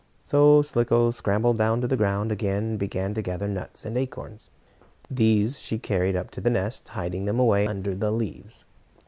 So Slicko scrambled down to the ground again, and began to gather nuts and acorns. These she carried up to the nest, hiding them away under the leaves.